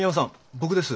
僕です。